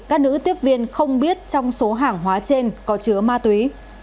các nữ tiếp viên không biết trong số hàng hóa trên có chứa ma túy